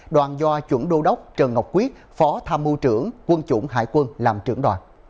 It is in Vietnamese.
đoàn do chuẩn đô đốc trần ngọc quyết phó tham mưu trưởng quân chủng hải quân làm trưởng đoàn